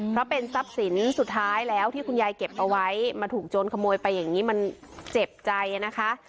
เพราะเป็นทรัพย์สินสุดท้ายแล้วที่คุณยายเก็บเอาไว้มาถูกโจรขโมยไปอย่างนี้มันเจ็บใจนะคะ